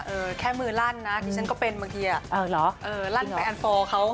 เออแค่มือลั่นนะที่ฉันก็เป็นบางทีอ่ะเออลั่นแปลอัน๔เขา